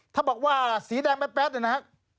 ถ้าบอกว่าสีแดงแป๊บนะครับ